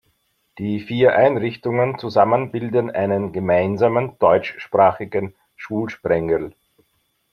Die vier Einrichtungen zusammen bilden einen gemeinsamen deutschsprachigen Schulsprengel.